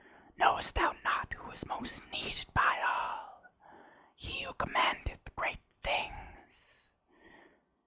Knowest thou not who is most needed by all? He who commandeth great things.